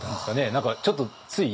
何かちょっとつい。